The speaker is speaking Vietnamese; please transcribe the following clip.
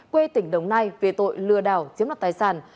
quê tỉnh đồng nai về tội lừa đảo chiếm đoạt tài sản